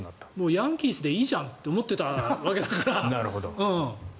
ヤンキースでいいじゃんと思ってたわけだから。